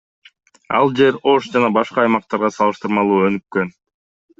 Ал жер Ош жана башка аймактарга салыштырмалуу өнүккөн.